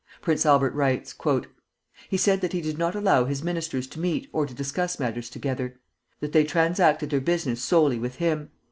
Prince Albert writes, "He said that he did not allow his ministers to meet or to discuss matters together; that they transacted their business solely with him.